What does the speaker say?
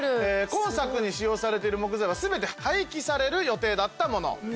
今作に使用されてる木材は全て廃棄される予定だったもの。